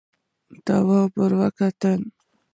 تواب ور وکتل: